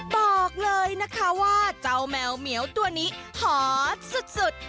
บอกเลยนะคะว่าเจ้าแมวเหมียวตัวนี้หอสุด